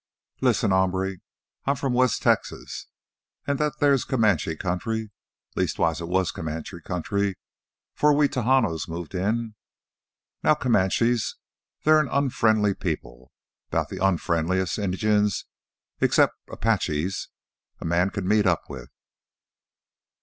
"Lissen, hombre, me I'm from West Texas, an' that theah's Comanche country, leastwise it was Comanche country 'fore we Tejanos moved in. Now Comanches, they're an unfriendly people, 'bout the unfriendliest Injuns, 'cept 'Paches, a man can meet up with.